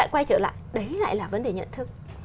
quay trở lại đấy lại là vấn đề nhận thức